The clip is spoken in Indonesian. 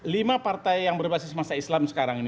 lima partai yang berbasis masa islam sekarang ini